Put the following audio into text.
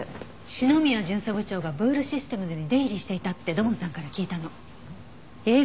篠宮巡査部長がブールシステムズに出入りしていたって土門さんから聞いたの。